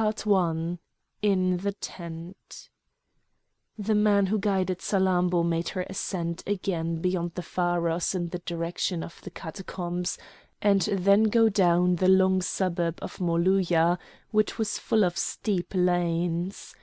CHAPTER XI IN THE TENT The man who guided Salammbô made her ascend again beyond the pharos in the direction of the Catacombs, and then go down the long suburb of Molouya, which was full of steep lanes.